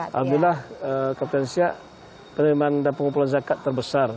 alhamdulillah provinsia penerimaan dan pengumpulan zakat terbesar